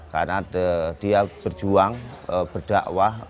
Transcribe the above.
karena dia berjuang berdakwah